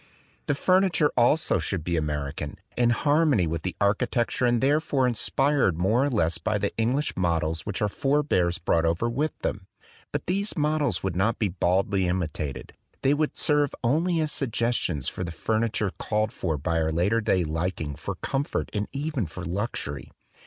The furniture also should be American, in harmony with the architecture and therefore inspired more or less by the English models which our forebears brought over with them. But these models would not be baldly imitated; they would serve only as suggestions for the 59 THE DWELLING OF A DAY DREAM furniture called for by our latter day liking for comfort and even for luxury.